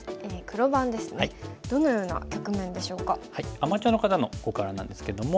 アマチュアの方の碁からなんですけども。